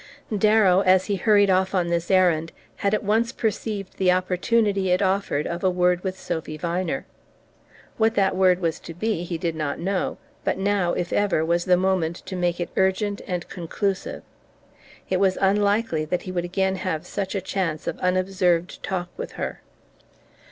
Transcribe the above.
Darrow, as he hurried off on this errand, had at once perceived the opportunity it offered of a word with Sophy Viner. What that word was to be he did not know; but now, if ever, was the moment to make it urgent and conclusive. It was unlikely that he would again have such a chance of unobserved talk with her.